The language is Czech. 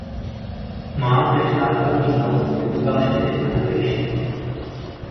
Má též základní znalost portugalštiny a hebrejštiny.